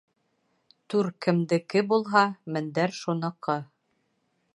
Түр кемдеке булһа, мендәр шуныҡы